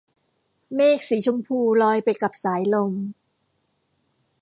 เมฆสีชมพูลอยไปกับสายลม